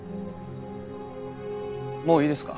もういいですか？